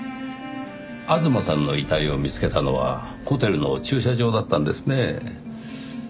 吾妻さんの遺体を見つけたのはホテルの駐車場だったんですねぇ。